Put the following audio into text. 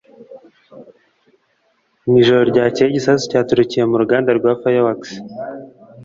Mu ijoro ryakeye igisasu cyaturikiye mu ruganda rwa fireworks